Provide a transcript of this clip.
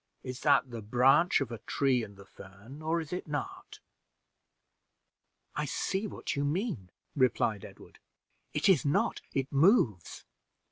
Is that the branch of a tree in the fern, or is it not?" "I see what you mean," replied Edward. "It is not, it moves."